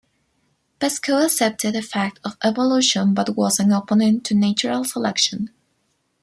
Pascoe accepted the fact of evolution but was an opponent to natural selection.